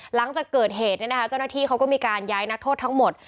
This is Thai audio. หลังจากเกิดเหตุเจ้าหน้าที่เขาก็มีการย้ายนักโทษทั้งหมด